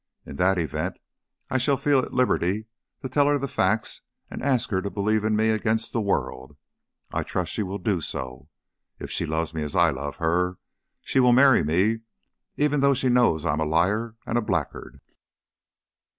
In that event I shall feel at liberty to tell her the facts and ask her to believe in me against the world. I trust she will do so. If she loves me as I love her, she will marry me even though she knows I am a liar and a blackguard."